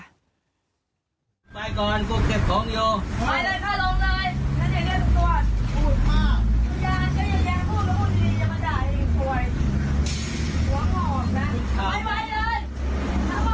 ระวังทุกคนลงเร็วโอ้โหพ่อกูต่อยมาแล้ว